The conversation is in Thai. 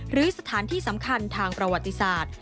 หรือสถานที่สำคัญทางประวัติศาสตร์